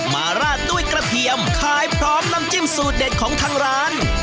ราดด้วยกระเทียมขายพร้อมน้ำจิ้มสูตรเด็ดของทางร้าน